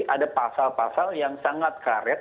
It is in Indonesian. ada pasal pasal yang sangat karet